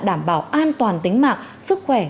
đảm bảo an toàn tính mạng sức khỏe